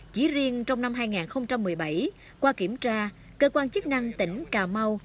chỉ riêng trong năm hai nghìn một mươi bảy qua kiểm tra cơ quan chức năng tỉnh cà mau